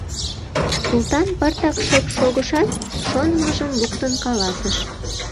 Султан пыртак шып шогышат, шонымыжым луктын каласыш: